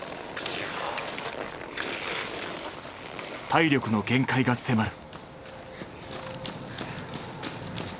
体力の限界が迫る。